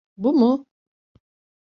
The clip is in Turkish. Bu mu?